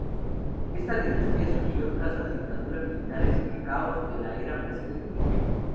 Esta dinastía surgió tras las dictaduras militares y caos de la era precedente.